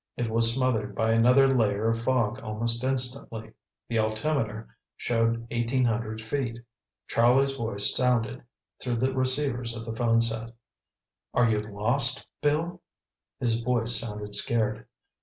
It was smothered by another layer of fog almost instantly. The altimeter showed eighteen hundred feet. Charlie's voice sounded through the receivers of the phone set. "Are you lost, Bill?" His voice sounded scared.